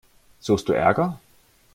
Suchst du Ärger?